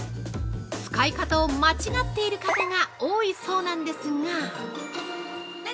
使い方を間違っている方が多いそうなんですが。